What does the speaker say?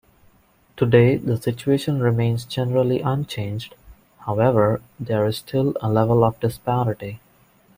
Today the situation remains generally unchanged; however, there is still a level of disparity.